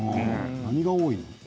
何が多いの？